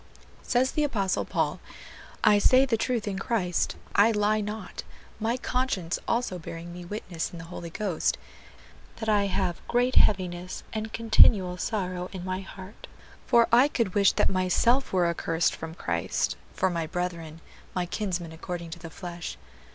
Says the Apostle Paul, "I say the truth in Christ, I lie not, my conscience also bearing me witness in the Holy Ghost, that I have great heaviness and continual sorrow in my heart, for I could wish that myself were accursed from Christ, for my brethren, my kinsmen according to the flesh....